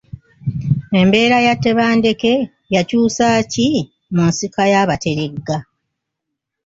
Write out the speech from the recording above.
Embeera ya Tebandeke yakyusa ki mu nsika y'Abateregga?